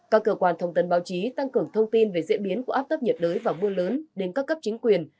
các cơ quan thông tin báo chí tăng cường thông tin về diễn biến của áp thấp nhiệt đới và mưa lớn đến các cấp chính quyền